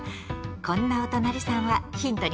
こんなおとなりさんはヒントになるかな？